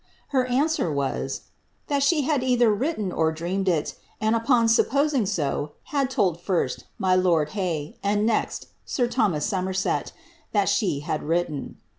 Her answer was, * that either she had written or dreamed it, and, upon tup posing so, had told first, my lord Hay, and next, sir Thomas Somerset, that she had written.'